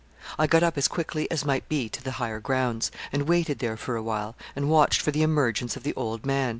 I got up as quickly as might be to the higher grounds, and waited there for awhile, and watched for the emergence of the old man.